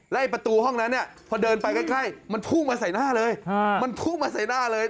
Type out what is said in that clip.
และประตูห้องพอเดินไปใกล้มันพุ่งมาใส่หน้าเลย